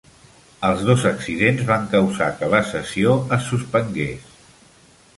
Els dos accidents van causar que la sessió es suspengués.